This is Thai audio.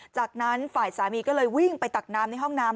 จากนั้นฝ่ายสามีก็เลยวิ่งไปตักน้ำในห้องน้ำ